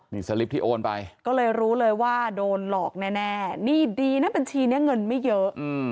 นี่สลิปที่โอนไปก็เลยรู้เลยว่าโดนหลอกแน่นี่ดีนะบัญชีนี้เงินไม่เยอะ